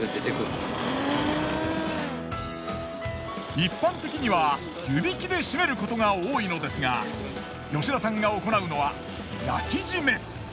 一般的には湯引きで締めることが多いのですが吉田さんが行うのは焼き締め。